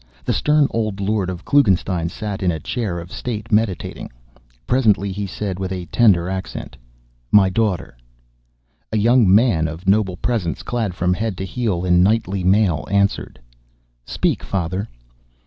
The stern old lord of Klugenstein sat in a chair of state meditating. Presently he, said, with a tender accent: "My daughter!" A young man of noble presence, clad from head to heel in knightly mail, answered: "Speak, father!"